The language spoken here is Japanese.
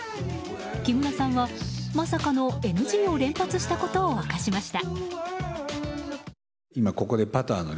木村さんはまさかのＮＧを連発したことを明かしました。